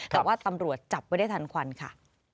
แต่ว่าตำรวจจับไว้ได้ทันควันค่ะ